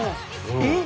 えっ？